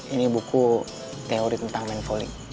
ini buku teori tentang main foley